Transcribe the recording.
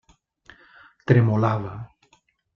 Tremolava.